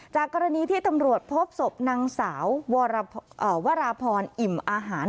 จากกรณีที่ตำรวจพบศพนางสาววราพรอิ่มอาหาร